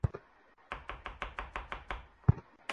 ধারাবাহিক নাটক আকাশ চুরি -তে এমন চরিত্রে দেখা যাবে মুনিরা মিঠুকে।